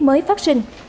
mới phát sinh